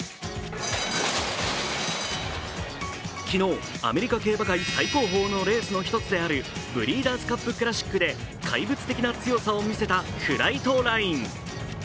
昨日、アメリカ競馬会最高峰のレースの一つであるブリーダーズカップクラシックで怪物的な強さを見せたフライトライン。